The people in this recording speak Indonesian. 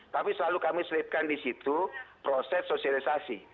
tapi selalu kami selipkan di situ proses sosialisasi